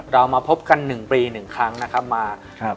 เรามาพบกันหนึ่งปีหนึ่งครั้งนะครับมาครับ